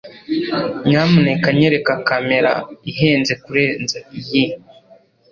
Nyamuneka nyereka kamera ihenze kurenza iyi